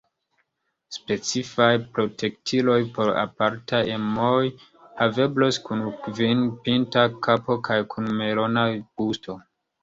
Specifaj protektiloj por apartaj emoj haveblos kun kvinpinta kapo kaj kun melona gusto.